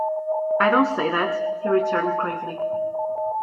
"I don't say that," he returned, gravely.